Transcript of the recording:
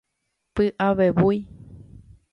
Py'avevúi.